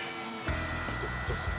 どどうする？